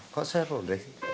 kok sayur lodeh